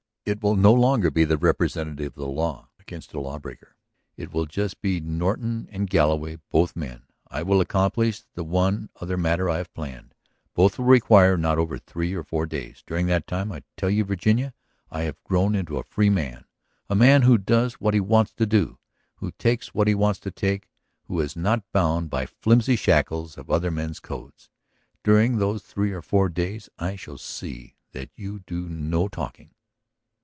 "It will no longer be the representative of the law against the lawbreaker; it will just be Norton and Galloway, both men! I will accomplish the one other matter I have planned. Both will require not over three or four days. During that time ... I tell you, Virginia, I have grown into a free man, a man who does what he wants to do, who takes what he wants to take, who is not bound by flimsy shackles of other men's codes. During those three or four days I shall see that you do no talking!"